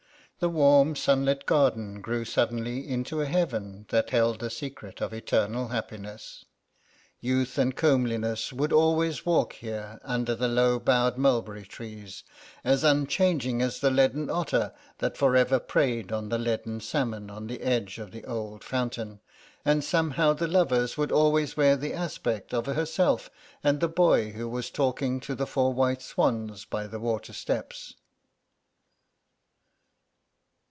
The warm sunlit garden grew suddenly into a Heaven that held the secret of eternal happiness. Youth and comeliness would always walk here, under the low boughed mulberry trees, as unchanging as the leaden otter that for ever preyed on the leaden salmon on the edge of the old fountain, and somehow the lovers would always wear the aspect of herself and the boy who was talking to the four white swans by the water steps.